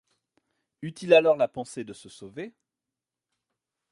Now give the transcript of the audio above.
Eût-il alors la pensée de se sauver?